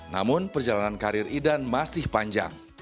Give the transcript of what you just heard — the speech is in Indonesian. namun perjalanan karir idan masih panjang